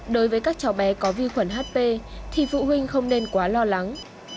đối với các cháu bé có vi khuẩn hp thì phụ huynh không nên quá lo lắng